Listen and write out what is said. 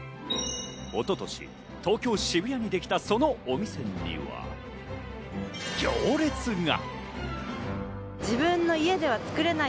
一昨年、東京・渋谷にできたそのお店には行列が。